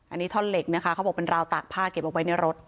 อันนี้ท่อนเหล็กนะคะเขาบอกเป็นราวตากผ้าเก็บเอาไว้ในรถ